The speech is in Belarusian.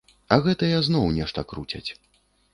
А гэтыя зноў нешта круцяць.